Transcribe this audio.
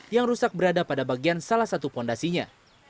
yang rusak berada pada bagian salah satu fondasinya